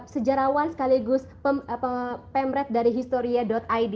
sejarawan sekaligus pemret dari historia id